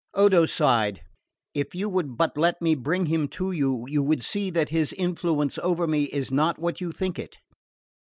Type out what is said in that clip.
Odo sighed. "If you would but let me bring him to you, you would see that his influence over me is not what you think it."